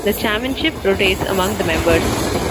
The chairmanship rotates among the members.